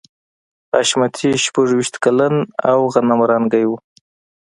حشمتي شپږویشت کلن او غنم رنګی و